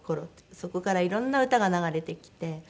そこからいろんな歌が流れてきて。